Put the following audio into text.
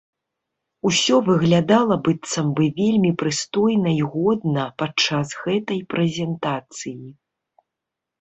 Усё выглядала быццам бы вельмі прыстойна і годна падчас гэтай прэзентацыі.